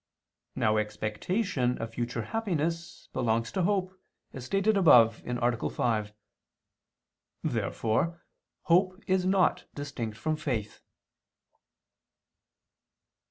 Now expectation of future happiness belongs to hope, as stated above (A. 5). Therefore hope is not distinct from faith.